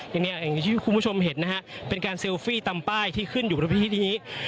อย่างที่คุณผู้ชมเห็นนะฮะเป็นการเซลฟี่ตามป้ายที่ขึ้นอยู่บนวิธีนี้